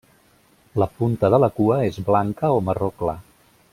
La punta de la cua és blanca o marró clar.